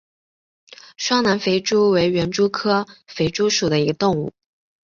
双南肥蛛为园蛛科肥蛛属的动物。